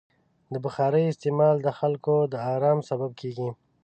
د بخارۍ استعمال د خلکو د ارام سبب کېږي.